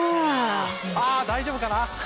大丈夫かな。